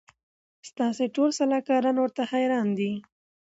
ستاسي ټول سلاکاران ورته حیران دي